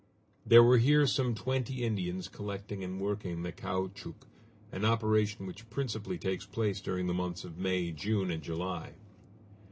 There were here some twenty Indians collecting and working the caoutchouc, an operation which principally takes place during the months of May, June, and July.